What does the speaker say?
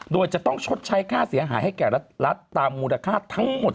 โดยจะต้องชดใช้ค่าเสียหายให้แก่รัฐตามมูลค่าทั้งหมด